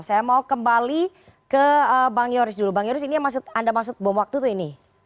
saya mau kembali ke bang yoris dulu bang yoris ini yang anda maksud bom waktu tuh ini